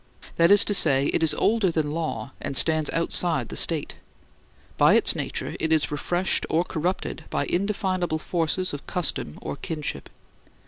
That is to say, it is older than law, and stands outside the State. By its nature it is refreshed or corrupted by indefinable forces of custom or kinship.